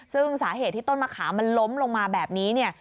ซึ่งสาเหตุที่ต้นมะขามมันล้มลงมาแบบนี้เนี่ย